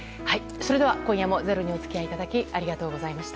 それでは今夜も「ｚｅｒｏ」にお付き合いいただきありがとうございました。